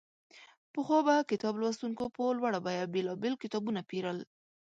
پخوا به کتاب لوستونکو په لوړه بیه بېلابېل کتابونه پېرل.